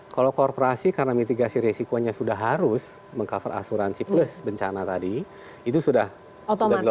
kalau korporasi karena mitigasi resikonya sudah harus meng cover asuransi plus bencana tadi itu sudah otomatis dilakukan oleh mereka